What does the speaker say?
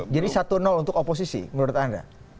jadi satu nol untuk oposisi menurut anda